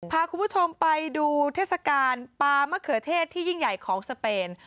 พาคุณผู้ชมไปดูเทศกาลปลามะเขือเทศที่ยิ่งใหญ่ของสเปน